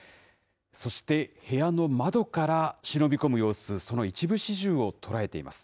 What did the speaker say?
そして、部屋の窓から忍び込む様子、その一部始終を捉えています。